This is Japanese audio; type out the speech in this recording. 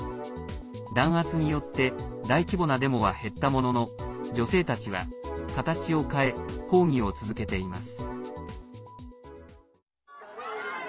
弾圧によって大規模なデモは減ったものの女性たちは形を変え、抗議を続けています。